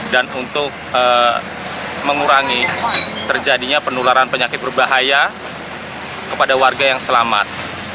dan untuk mengurangi terjadinya penularan penyakit berbahaya kepada warga yang selamat